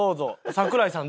桜井さん